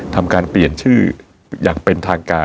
ทำการเปลี่ยนชื่ออย่างเป็นทางการ